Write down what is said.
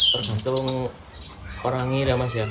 tergantung orangnya ya mas ya